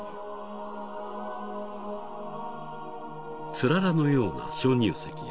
［つららのような鍾乳石や］